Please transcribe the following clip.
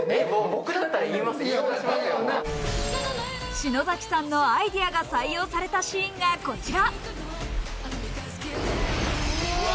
篠崎さんのアイデアが採用されたシーンがこちら。